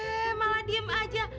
he malah diem aja